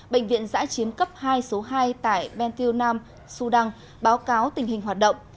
bệnh viện giã chiến cấp hai số hai tại ben tiêu nam sudan báo cáo tình hình hoạt động